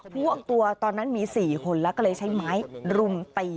พวกตัวตอนนั้นมี๔คนแล้วก็เลยใช้ไม้รุมตี